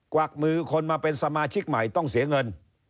วักมือคนมาเป็นสมาชิกใหม่ต้องเสียเงิน